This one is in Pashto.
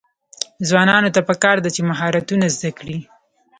ځوانانو ته پکار ده چې، مهارتونه زده کړي.